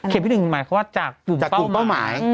ที่๑หมายความว่าจากกลุ่มเป้าหมาย